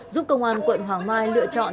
giúp công an quận hoàng mai lựa chọn